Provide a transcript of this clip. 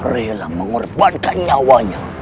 relang mengorbankan nyawanya